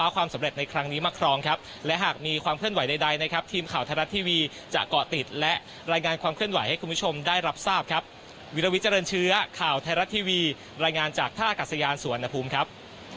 วิลวิเจริญเชื้อข่าวไทยรัฐทีวีรายงานจากท่ากัศยานสุวรรณภูมิครับ